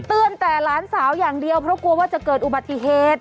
แต่หลานสาวอย่างเดียวเพราะกลัวว่าจะเกิดอุบัติเหตุ